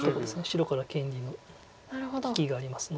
白から権利の利きがありますので。